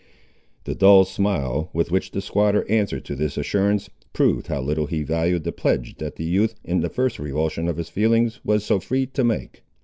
The dull smile, with which the squatter answered to this assurance, proved how little he valued the pledge that the youth, in the first revulsion of his feelings, was so free to make.